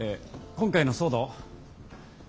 今回の騒動